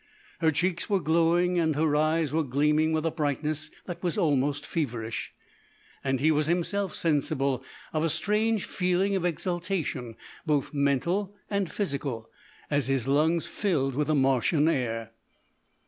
Her cheeks were glowing and her eyes were gleaming with a brightness that was almost feverish, and he was himself sensible of a strange feeling of exultation, both mental and physical, as his lungs filled with the Martian air.